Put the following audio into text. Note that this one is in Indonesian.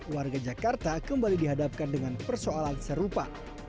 warga jakarta kembali dihadapkan dengan persoalan serupa